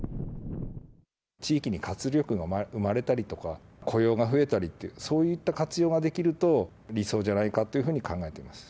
地域に活力が生まれたりとか、雇用が増えたりって、そういった活用ができると、理想じゃないかというふうに考えています。